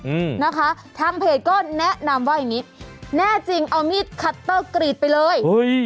อืมนะคะทางเพจก็แนะนำว่าอย่างงี้แน่จริงเอามีดคัตเตอร์กรีดไปเลยเฮ้ย